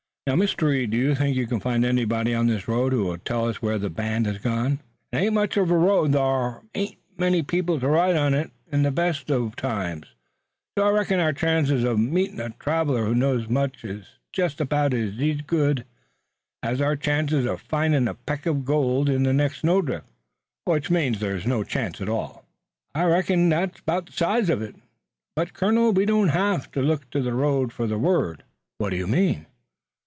"Now, Mr. Reed, do you think we can find anybody on this road who will tell us where the band has gone?" "It ain't much uv a road an' thar ain't many people to ride on it in the best uv times, so I reckon our chance uv meetin' a traveler who knows much is jest about ez good as our chance uv findin' a peck uv gold in the next snowdrift." "Which means there's no chance at all." "I reckon that's 'bout the size uv it. But, colonel, we don't hev to look to the road fur the word." "What do you mean?"